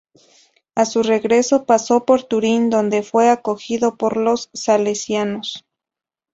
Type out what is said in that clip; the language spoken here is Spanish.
A su regreso pasó por Turín, donde fue acogido por los salesianos.